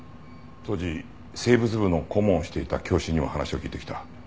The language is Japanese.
当時生物部の顧問をしていた教師にも話を聞いてきた。